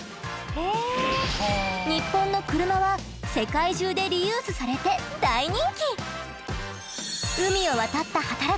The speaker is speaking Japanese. ニッポンの車は世界中でリユースされて大人気！